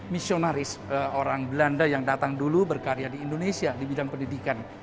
misionaris orang belanda yang datang dulu berkarya di indonesia di bidang pendidikan